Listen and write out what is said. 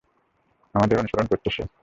আমাদের অনুসরণ করছে সে।